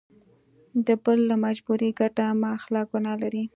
د بل له مجبوري ګټه مه اخله ګنا لري.